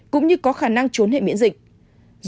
cũng như có khả năng trốn hệ miễn dịch